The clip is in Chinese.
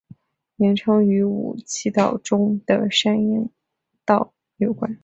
名称与五畿七道中的山阳道有关。